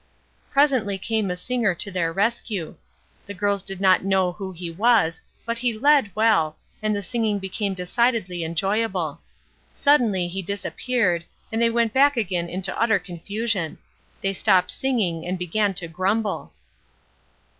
Presently came a singer to their rescue. The girls did not know who he was, but he led well, and the singing became decidedly enjoyable. Suddenly he disappeared, and they went back again into utter confusion. They stopped singing and began to grumble.